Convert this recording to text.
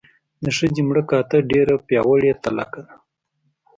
د ښځې مړه کاته ډېره پیاوړې تلکه ده.